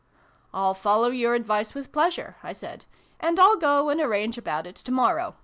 " I'll follow your advice, with pleasure," I said ;" and I'll go and arrange about it to morrow.